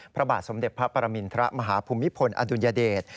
พระบาทสมเด็จพระปรมินทรมาฮภูมิพลอดุลยเดช